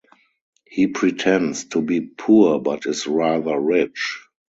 He pretends to be poor but is rather rich.